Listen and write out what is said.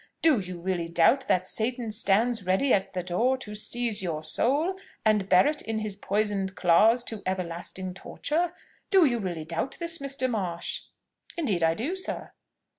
Do you really doubt that Satan stands ready at the door to seize your soul, and bear it in his poisoned claws to everlasting torture? Do you really doubt this, Mr. Marsh?" "Indeed I do, sir."